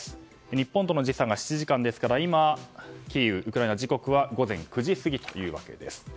日本との時差が７時間ですから今、ウクライナ・キーウの時刻は午前９時過ぎというわけです。